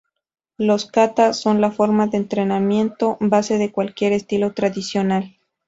Los "kata" son la forma de entrenamiento base de cualquier estilo tradicional.